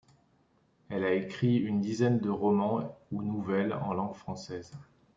Elle a écrit une dizaine de romans ou nouvelles, en langue française.